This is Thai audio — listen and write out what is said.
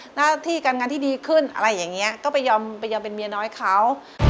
หน้าที่การงานที่ดีขึ้นอะไรอย่างนี้ก็ไปยอมเป็นเมียน้อยเขา